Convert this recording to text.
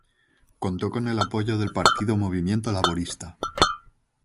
Contó con el apoyo del partido Movimiento Laborista.